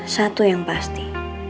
satu yang pasti